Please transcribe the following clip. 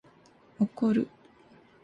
怒る